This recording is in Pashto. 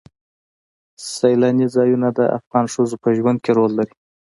سیلاني ځایونه د افغان ښځو په ژوند کې رول لري.